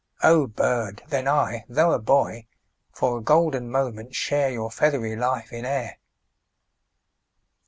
O bird, then I, though a boy 10 For a golden moment share Your feathery life in air!